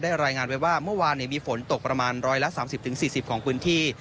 รายงานไว้ว่าเมื่อวานมีฝนตกประมาณ๑๓๐๔๐ของพื้นที่